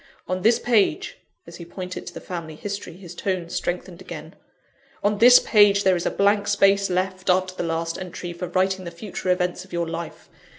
On this page " (as he pointed to the family history, his tones strengthened again) "on this page there is a blank space left, after the last entry, for writing the future events of your life.